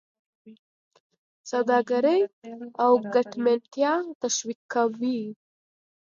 سوداګري او ګټمنتیا تشویقوي.